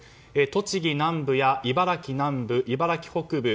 栃木南部や茨城南部、茨城北部